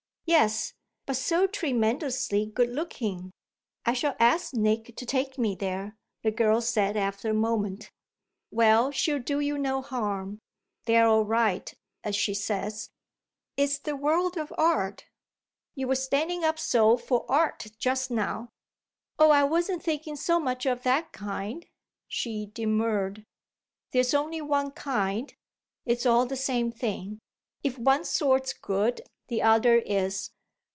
"Yes, but so tremendously good looking. I shall ask Nick to take me there," the girl said after a moment. "Well, she'll do you no harm. They're all right, as she says. It's the world of art you were standing up so for art just now." "Oh I wasn't thinking so much of that kind," she demurred. "There's only one kind it's all the same thing. If one sort's good the other is."